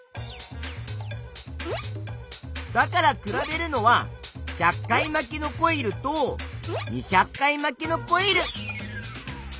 だから比べるのは１００回まきのコイルと２００回まきのコイル。